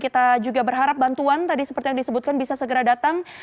kita juga berharap bantuan tadi seperti yang disebutkan bisa segera datang